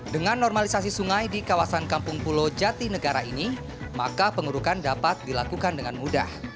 dengan normalisasi sungai di kawasan kampung pulau jatinegara ini maka pengurukan dapat dilakukan dengan mudah